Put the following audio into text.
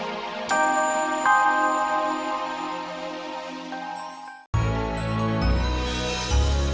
yang ketiga kita menjalankan perintah di bulan ramadhan